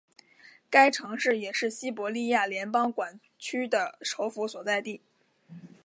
该城市也是西伯利亚联邦管区的首府所在地。